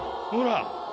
ほら！